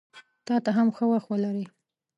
تاته هم ښه وخت ولرې!